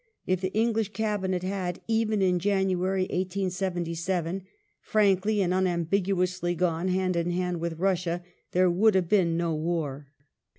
If the English Cabinet had, even in January, 1877, frankly and unambigu ously gone hand in hand with Russia there would have been no war.